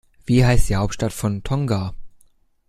Wie heißt die Hauptstadt von Tonga?